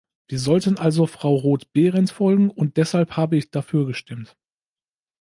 Wir sollten also Frau Roth-Behrendt folgen, und deshalb habe ich dafür gestimmt.